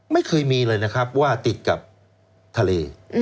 ไม่เคยมีเลยนะครับว่าติดกับทะเล